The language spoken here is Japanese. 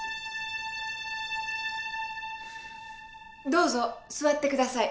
どうぞ座ってください。